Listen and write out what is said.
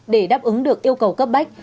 để đáp ứng được yêu cầu cấp bách